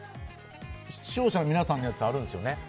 視聴者の皆さんのやつあるんですよね？